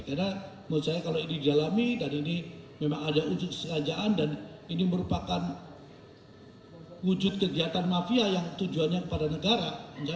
karena menurut saya kalau ini didalami dan ini memang ada usus kerajaan dan ini merupakan wujud kegiatan mafia yang tujuannya kepada negara